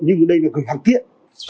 nhưng đây là gửi hàng tiện